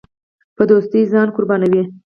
په دوستۍ ځان قربانوي.